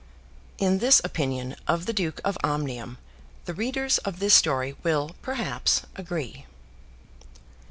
In this opinion of the Duke of Omnium, the readers of this story will perhaps agree.